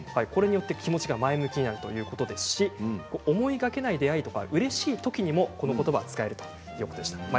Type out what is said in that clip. これによって気持ちが前向きになるそうですし思いがけない出会いとかうれしいときにも、このことばは使えるということでした。